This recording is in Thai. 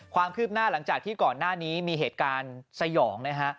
ความคืบหน้าหลังจากที่ก่อนหน้านี้มีเหตุการณ์สยองนะฮะ